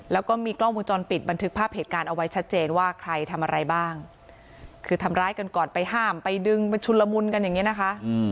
แล้วก็มีกล้องวงจรปิดบันทึกภาพเหตุการณ์เอาไว้ชัดเจนว่าใครทำอะไรบ้างคือทำร้ายกันก่อนไปห้ามไปดึงไปชุนละมุนกันอย่างนี้นะคะ